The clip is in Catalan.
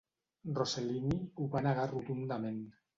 Rossellini ho va negar rotundament.